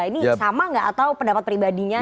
ini sama gak atau pendapat pribadinya aja